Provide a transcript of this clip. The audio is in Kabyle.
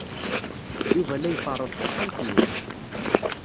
Yuba la iferreḍ taxxamt-nnes.